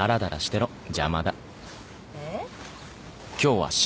えっ？